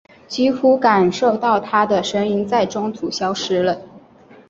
几乎感受到她的声音在中途消失了。